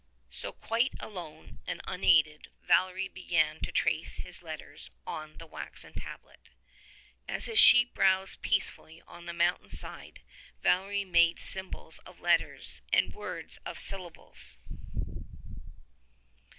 So quite alone and unaided Valery began to trace his let ters on the waxen tablet. As his sheep browsed peacefully on the mountain side Valery made syllables of letters and words of syllables.